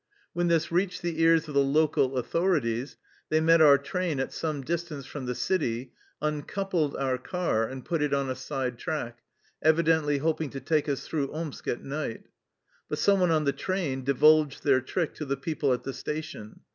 When this reached the ears of the local authorities they met our train at some distance from the city, uncoupled our car, and put it on a side track, evidently hoping to take us through Omsk at night. But some one on the train di vulged their trick to the people at the station.